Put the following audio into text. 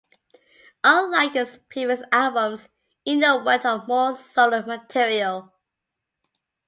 Unlike his previous albums, Eno worked on more solo material.